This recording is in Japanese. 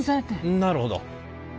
なるほど。